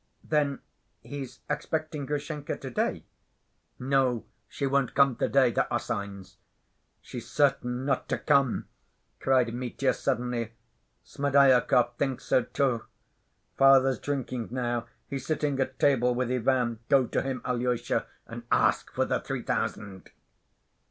"Then he's expecting Grushenka to‐day?" "No, she won't come to‐day; there are signs. She's certain not to come," cried Mitya suddenly. "Smerdyakov thinks so, too. Father's drinking now. He's sitting at table with Ivan. Go to him, Alyosha, and ask for the three thousand."